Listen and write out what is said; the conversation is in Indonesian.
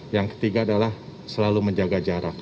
yang ketiga adalah selalu menjaga jarak